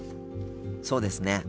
そうですね。